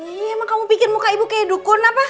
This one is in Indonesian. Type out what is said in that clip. iya emang kamu bikin muka ibu kayak dukun apa